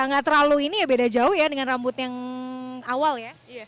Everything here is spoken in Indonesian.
nggak terlalu ini ya beda jauh ya dengan rambut yang awal ya